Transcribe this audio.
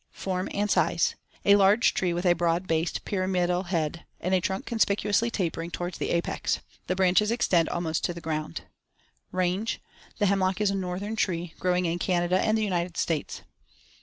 Form and size: A large tree with a broad based pyramidal head, and a trunk conspicuously tapering toward the apex. The branches extend almost to the ground. Range: The hemlock is a northern tree, growing in Canada and the United States.